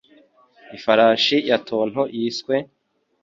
Ifarashi ya Tonto Yiswe